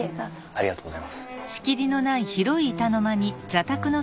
ありがとうございます。